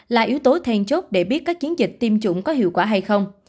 là yếu tố then chốt để biết các chiến dịch tiêm chủng có hiệu quả hay không